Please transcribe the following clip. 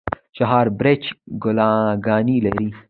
چهار برجک کلاګانې لري؟